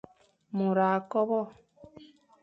Môr a kobe.